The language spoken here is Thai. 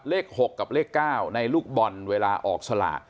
เลข๖กับเลข๙ในลูกบอลเวลาออกสลาก